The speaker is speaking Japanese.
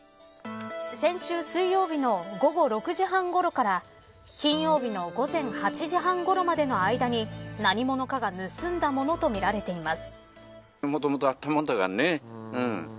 先週水曜日の午後６時半ごろから金曜日の午前８時半ごろまでの間に何者かが盗んだものとみられています。